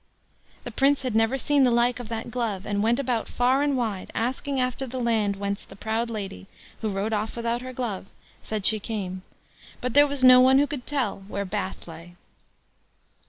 The Prince had never seen the like of that glove, and went about far and wide asking after the land whence the proud lady, who rode off without her glove, said she came; but there was no one who could tell where "Bath" lay.